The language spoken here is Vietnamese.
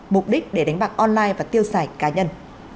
mục đích để đánh bạc online và tiêu xài cá nhân